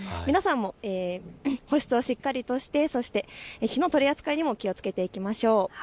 皆さんも保湿をしっかりとして、火の取り扱いにも気をつけていきましょう。